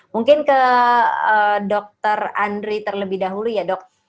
mungkin ke dr andri terlebih dahulu ya dok